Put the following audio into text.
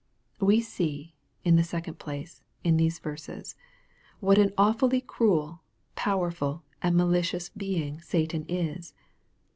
We see, in the second place, in these verses, what an awfully cruel, powerful, and malicious being Satan is.